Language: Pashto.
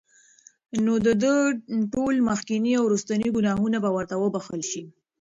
نو د ده ټول مخکيني او وروستني ګناهونه به ورته وبخښل شي